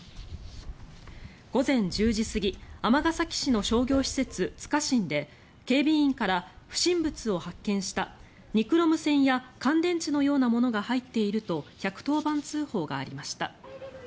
午前１０時すぎ尼崎市の商業施設「つかしん」で警備員から「不審物を発見したニクロム線や乾電池のようなものが入っている」と１１０番通報がありました。